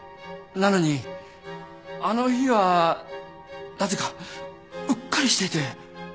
なのにあの日はなぜかうっかりしていて。